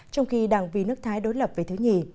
trong khi đảng vì nước thái đối lập với thứ nhì